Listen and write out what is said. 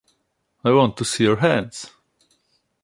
I want to see your hands!